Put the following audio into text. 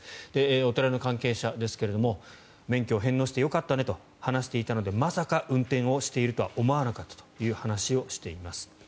お寺の関係者ですけれども免許を返納してよかったねと話していたのでまさか運転をしているとは思わなかったと話をしています。